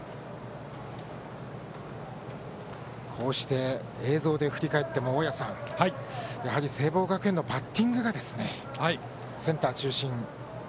こうして、映像で振り返っても大矢さん聖望学園のバッティングがセンター中心。